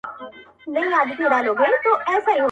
د ګیدړ باټو له حاله وو ایستلی؛